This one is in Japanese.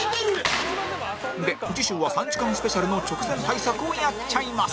で次週は３時間スペシャルの直前対策をやっちゃいます